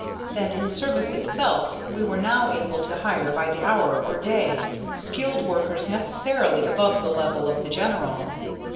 That in service itself we were now able to hire by the hour or day skilled workers necessarily above the level of the "general."